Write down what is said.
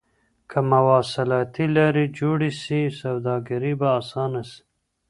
که مواصلاتي لاري جوړي سي سوداګري به اسانه سي.